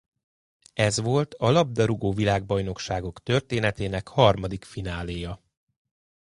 Ez volt a labdarúgó-világbajnokságok történetének harmadik fináléja.